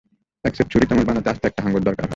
এক সেট ছুড়ি-চামচ বানাতে আস্ত একটা হাঙ্গর দরকার হয়।